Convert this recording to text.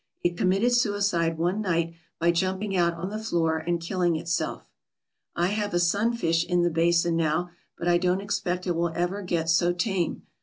It committed suicide one night by jumping out on the floor and killing itself. I have a sunfish in the basin now, but I don't expect it will ever get so tame.